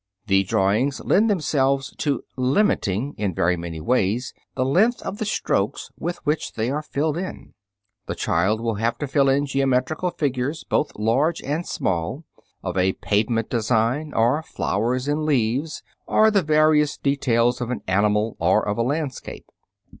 The drawings lend themselves to limiting, in very many ways, the length of the strokes with which they are filled in. The child will have to fill in geometrical figures, both large and small, of a pavement design, or flowers and leaves, or the various details of an animal or of a landscape.